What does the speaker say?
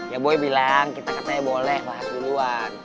ya boleh bilang kita katanya boleh bahas duluan